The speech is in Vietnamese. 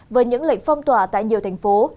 với những lệnh phong tỏa tại nhiều thành phố